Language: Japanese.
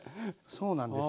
そうなんです。